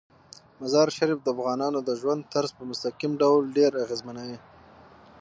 مزارشریف د افغانانو د ژوند طرز په مستقیم ډول ډیر اغېزمنوي.